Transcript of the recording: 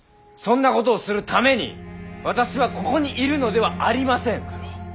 そんなことをするために私はここにいるのではありません！